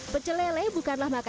pecelele bukanlah makanan